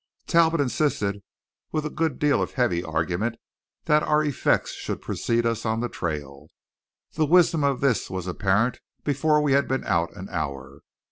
Talbot insisted, with a good deal of heavy argument, that our effects should precede us on the trail. The wisdom of this was apparent before we had been out an hour.